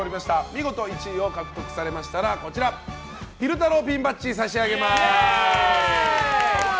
見事１位を獲得されましたら昼太郎ピンバッジ差し上げます。